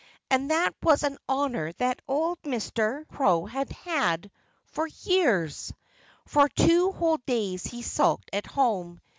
And that was an honor that old Mr. Crow had had for years. For two whole days he sulked at home.